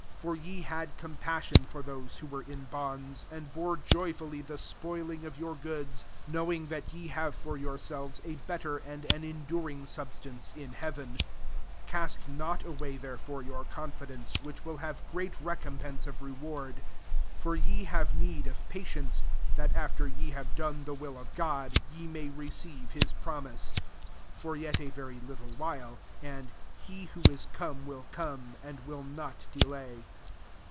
> 34 For ye had compassion for those who were in bonds, imd bore joyfttUy the spoiling of your eoods; knowh^ that ye have tor yourselves a better and an enduring substance [in heaven*]* 35 Cast not away therefore your confidence, which wilt have great recompense of reward. $6 For ye have need of patience; that, after ye have done the will of God, ye may receive hU promise. 37 For yet a very little while, and ^^ he who is to come will come, and will not delay.''